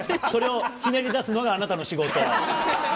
それをひねり出すのがあなたの仕事。